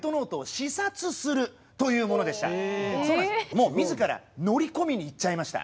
もう自ら乗り込みに行っちゃいました。